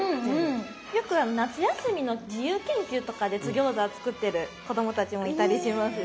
よく夏休みの自由研究とかで津ぎょうざを作ってる子供たちもいたりしますよ。